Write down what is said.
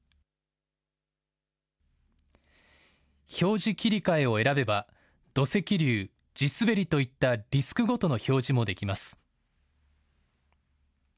表示切り替えを選べば土石流、地滑りといったリスクごとの表示もできます。